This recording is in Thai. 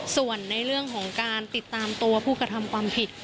ส่วนในเรื่องของการติดตามตัวผู้กระทำความผิด